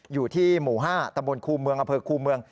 อยู่ที่หมู่๕ตะบนครูเมืองอำเภอคูเมือง